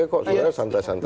oke kok sudah santai santai aja